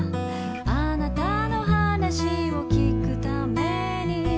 「あなたの話を聞くために」